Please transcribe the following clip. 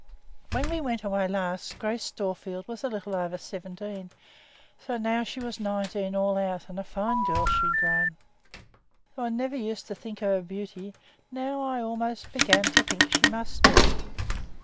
When we went away last Grace Storefield was a little over seventeen, so now she was nineteen all out, and a fine girl she'd grown. Though I never used to think her a beauty, now I almost began to think she must be.